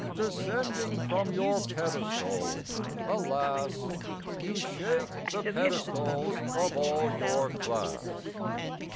Descending from your pedestal, alas! You shake the pedestals of all your class.